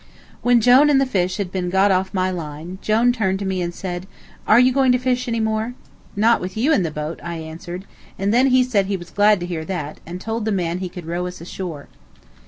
When Jone and the fish had been got off my line, Jone turned to me and said, "Are you going to fish any more?" "Not with you in the boat," I answered; and then he said he was glad to hear that, and told the man he could row us ashore.